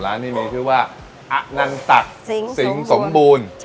ร้านนี้มีชื่อว่าอะนันสักสิงสมบูรณ์